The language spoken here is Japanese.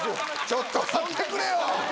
ちょっと待ってくれよ。